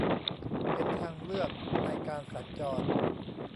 เป็นทางเลือกในการสัญจร